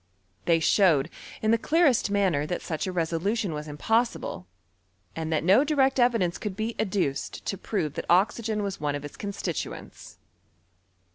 They showed, in the clearest manner, that such a resolution was im possible, and that no direct evidence could be ad S60 HlfftORT or CnZMISTttT. dnced to prove that oxygea was one of its coosti' tuents.